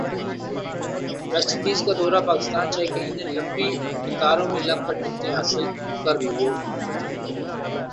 waste Indies کا دورہ پاکستان شائقین نے لمبی قطاروں میں لگ کر ٹکٹس حاصل کرلئے